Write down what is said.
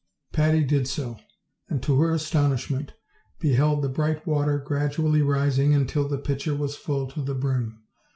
Patty did so, and, to her astonishment, beheld the bright water gradually rising until the pitcher was full to the brim.